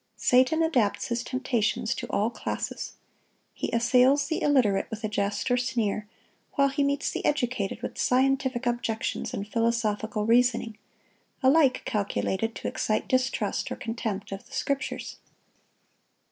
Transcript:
Satan adapts his temptations to all classes. He assails the illiterate with a jest or sneer, while he meets the educated with scientific objections and philosophical reasoning, alike calculated to excite distrust or contempt of the Scriptures.